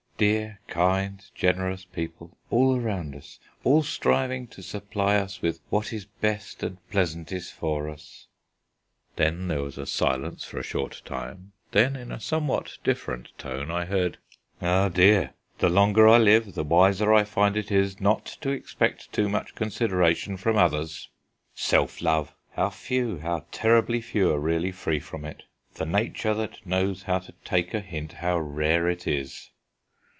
Dear, kind, generous people all around us, all striving to supply us with what is best and pleasantest for us." Then there was a silence for a short time, then in a somewhat different tone I heard: "Ah dear! the longer I live, the wiser I find it is not to expect too much consideration from others! Self love! how few, how terribly few, are really free from it! The nature that knows how to take a hint, how rare it is!"